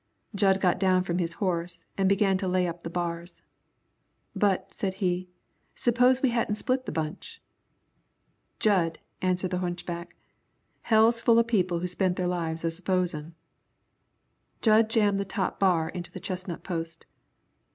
Jud got down from his horse and began to lay up the bars. "But," said he, "suppose we hadn't split the bunch?" "Jud," answered the hunchback, "hell's full of people who spent their lives a 'sposin'." Jud jammed the top bar into the chestnut post.